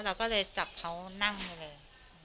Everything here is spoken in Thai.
เราก็เลยจับเขานั่งไปเลย